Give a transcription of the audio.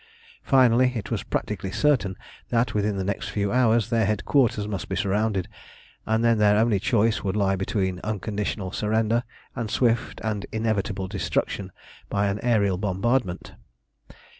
Finally, it was practically certain that within the next few hours their headquarters must be surrounded, and then their only choice would lie between unconditional surrender and swift and inevitable destruction by an aërial bombardment.